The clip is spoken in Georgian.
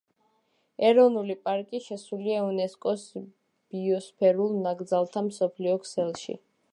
ეროვნული პარკი შესულია იუნესკოს ბიოსფერულ ნაკრძალთა მსოფლიო ქსელში.